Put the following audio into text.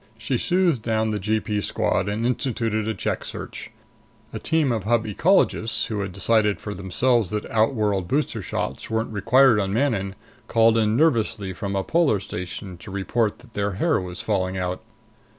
She soothed down the G P Squad and instituted a check search. A team of Hub ecologists, who had decided for themselves that outworld booster shots weren't required on Manon, called in nervously from a polar station to report that their hair was falling out.